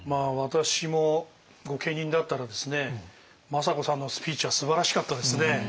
私も御家人だったらですね政子さんのスピーチはすばらしかったですね。